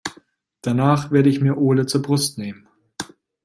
Danach werde ich mir Ole zur Brust nehmen.